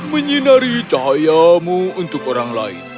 menyinari cahayamu untuk orang lain